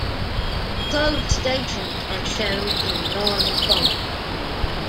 Closed stations are shown in normal font.